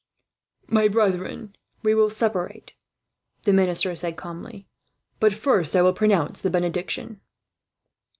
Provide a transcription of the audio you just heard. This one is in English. "My brethren, we will separate," the minister said calmly. "But first, I will pronounce the benediction."